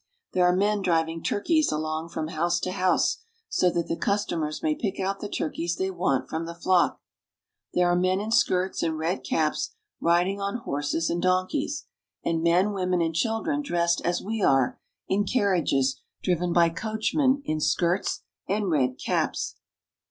There are men driving turkeys along from house to house, so that the cus tomers may pick out the turkeys they want from the flock. There are men in skirts and red caps riding on horses and donkeys, and men, women, and children, dressed as we are, in carriages, driven by coachmen in skirts and red caps.